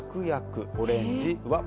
オレンジは。